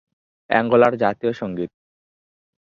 অ্যাঙ্গোলার জাতীয় সঙ্গীত।